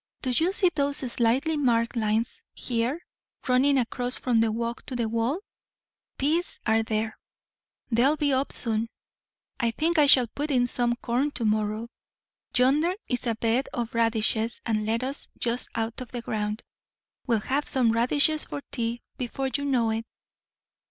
Do you see those slightly marked lines here, running across from the walk to the wall? peas are there. They'll be up soon. I think I shall put in some corn to morrow. Yonder is a bed of radishes and lettuce just out of the ground. We'll have some radishes for tea, before you know it."